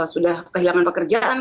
sudah kehilangan pekerjaan